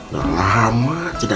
lama tidak ngetik